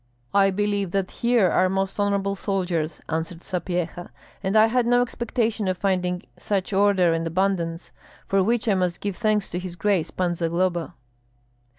"I believe that here are most honorable soldiers," answered Sapyeha, "and I had no expectation of finding such order and abundance, for which I must give thanks to his grace Pan Zagloba."